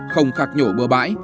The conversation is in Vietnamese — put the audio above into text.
không khạc nhổ bừa bãi